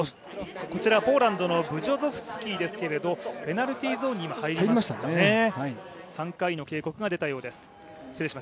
こちら、ポーランドの選手ですけれどもペナルティーゾーンに入りましたね、３回目の警告が出たようです。